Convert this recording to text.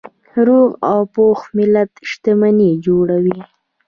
روغ او پوهه ملت شتمني جوړوي.